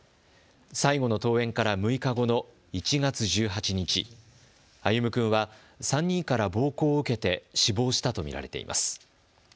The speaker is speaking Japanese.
最後の登園から６日後の１月１８日、歩夢君は３人から暴行を受けて死亡したと見られています。